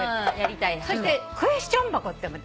そしてクエスチョン箱ってのも。